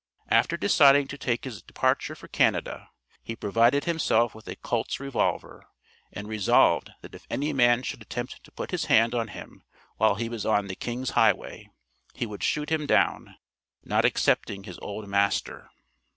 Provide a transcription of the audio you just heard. After deciding to take his departure for Canada, he provided himself with a Colt's revolver, and resolved that if any man should attempt to put his hand on him while he was on the "King's highway," he would shoot him down, not excepting his old master.